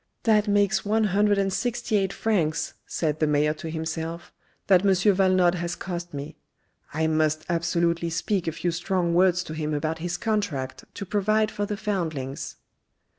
" That makes one hundred and sixty eight francs," said the mayor to himself, "that M. Valenod has cost me. I must absolutely speak a few strong words to him about his contract to provide for the foundlings."